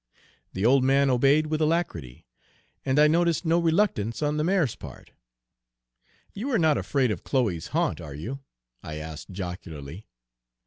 The old man obeyed with alacrity, and I noticed no reluctance on the mare's part. "You are not afraid of Chloe's haunt, are you?" I asked jocularly.